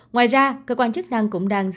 ngoài ra cơ quan chức năng cũng đang